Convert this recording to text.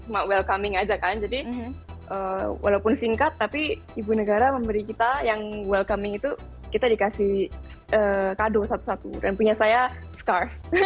sebenarnya saya tidak pernah mencari penyakit